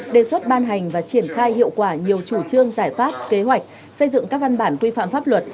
đề xuất ban hành và triển khai hiệu quả nhiều chủ trương giải pháp kế hoạch xây dựng các văn bản quy phạm pháp luật